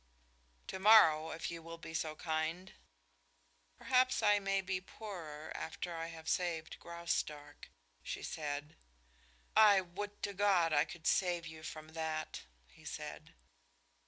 "To morrow, if you will be so kind." "Perhaps I may be poorer after I have saved Graustark," she said. "I would to God I could save you from that!" he said.